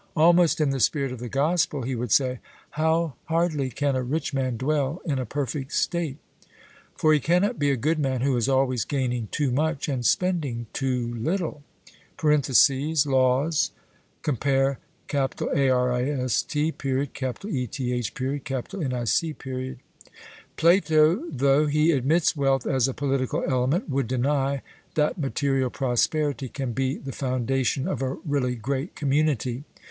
Almost in the spirit of the Gospel he would say, 'How hardly can a rich man dwell in a perfect state.' For he cannot be a good man who is always gaining too much and spending too little (Laws; compare Arist. Eth. Nic.). Plato, though he admits wealth as a political element, would deny that material prosperity can be the foundation of a really great community.